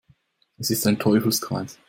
Es ist ein Teufelskreis.